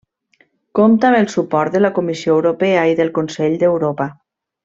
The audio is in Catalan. Compta amb el suport de la Comissió Europea i del Consell d'Europa.